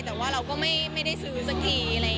แต่ว่าเราก็ไม่ได้ซื้อสักที